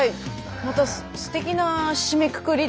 またすてきな締めくくりで。